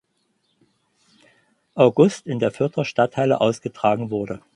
August in der Fürther Stadthalle ausgetragen wurde.